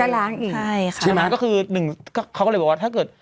ใช่ไหมก็คือหนึ่งเขาก็เลยบอกว่าถ้าเกิด